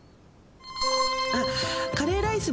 あっカレーライス